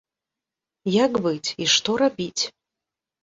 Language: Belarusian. Як быць і што рабіць?